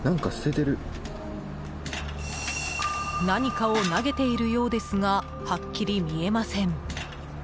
何かを投げているようですがはっきり見えません。